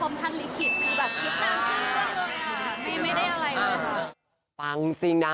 อ๋อให้พาพรมทันลิขิตอ๋อไม่ได้อะไรเลยฟังจริงน่ะ